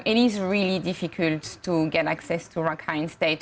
dan sangat sulit untuk mendapatkan akses ke rakhine state